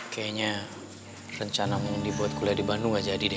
kayaknya rencana moni buat kuliah di bandung enggak jadi deh